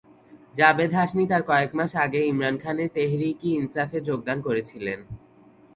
জাবেদ হাশমি তার কয়েক মাস আগে ইমরান খানের তেহরিক-ই-ইনসাফে যোগদান করেছিলেন।